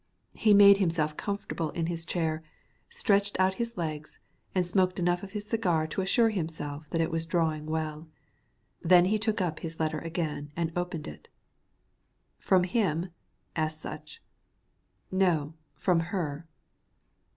He made himself comfortable in his chair, stretched out his legs, and smoked enough of his cigar to assure himself that it was drawing well. Then he took up his letter again and opened it. "From him?" asked Sutch. "No; from her."